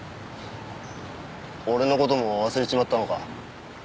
俺の事も忘れちまったのか。